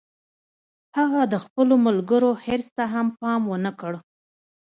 هغه د خپلو ملګرو حرص ته هم پام و نه کړ